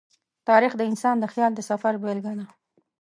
تاریخ د انسان د خیال د سفر بېلګه ده.